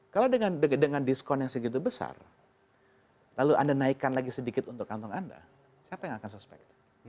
kalau dengan diskon yang segitu besar lalu anda naikkan lagi sedikit untuk kantong anda siapa yang akan suspek